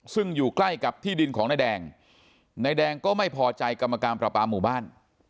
ซึ่งอยู่ใกล้กับที่ดินของนายแดงนายแดงก็ไม่พอใจกรรมการประปาหมู่บ้าน